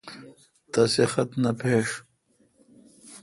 تسےخط نے پھݭ۔